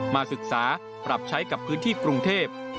มาศึกษาปรับใช้กับพื้นที่กรุงเทพ